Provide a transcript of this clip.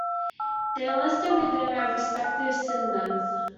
They are listed with their respective synonyms.